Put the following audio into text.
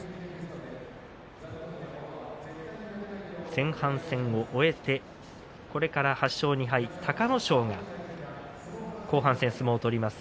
前半戦を終えて、これから８勝２敗、隆の勝が相撲を取ります。